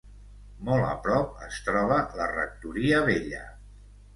Molt a prop es troba la rectoria vella.